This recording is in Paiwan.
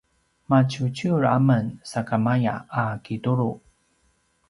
maciuciur amen sakamaya a kitulu